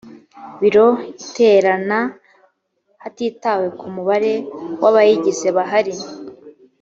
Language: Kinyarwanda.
biro iterana hatitawe ku mubare w’abayigize bahari.